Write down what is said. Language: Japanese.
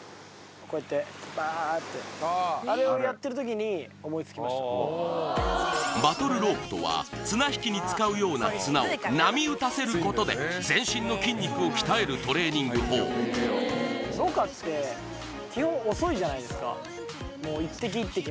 こうやってバーッてバトルロープとは綱引きに使うような綱を波打たせることで全身の筋肉を鍛えるトレーニング法ろ過って基本遅いじゃないですか